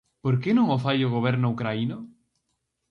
Por que non o fai o goberno ucraíno?